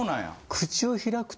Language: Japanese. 口を開くと。